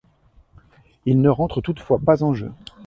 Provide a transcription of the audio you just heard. Il ne rentre toutefois pas en jeu.